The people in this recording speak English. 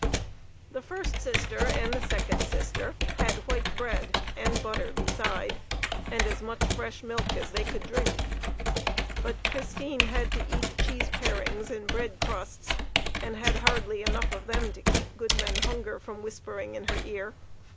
The first sister and the second sister had white bread (and butter beside) and as much fresh milk as they could drink; but Christine had to eat cheese parings and bread crusts, and had hardly enough of them to keep Goodman Hunger from whispering in her ear.